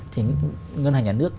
thì ngân hàng nhà nước